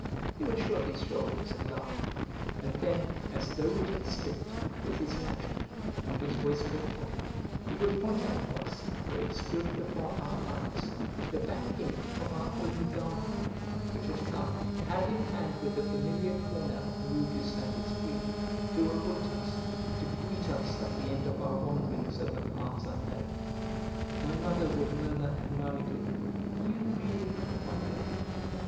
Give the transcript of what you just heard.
He would shrug his shoulders and laugh. And then, as though it had slipped, with his latchkey, from his waistcoat pocket, he would point out to us, when it stood before our eyes, the back gate of our own garden, which had come hand in hand with the familiar corner of the Rue du Saint Esprit, to await us, to greet us at the end of our wanderings over paths unknown. My mother would murmur admiringly "You really are wonderful!"